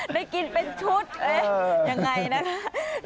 ได้กินเป็นชุดยังไงนะคะ